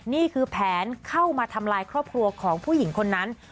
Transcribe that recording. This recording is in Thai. นี่คือแผนเข้ามาทำลายครอบครัวของผู้หญิงคนนั้น